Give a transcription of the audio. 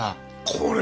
これ！